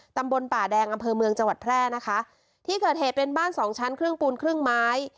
ตำบลป่าแดงอำเภอเมืองจังหวัดแพร่นะคะที่เกิดเหตุเป็นบ้านสองชั้นครึ่งปูนครึ่งไม้